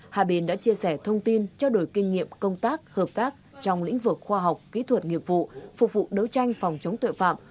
hai bên đã chia sẻ thông tin trao đổi kinh nghiệm công tác hợp tác trong lĩnh vực khoa học kỹ thuật nghiệp vụ phục vụ đấu tranh phòng chống tội phạm